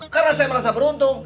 karena saya merasa beruntung